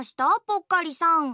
ぽっかりさん。